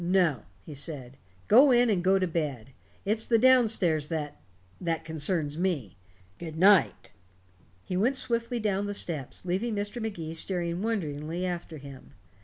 "No," he said. "Go in and go to bed. It's the down stairs that that concerns me. Good night." He went swiftly down the steps, leaving Mr. Magee staring wonderingly after him.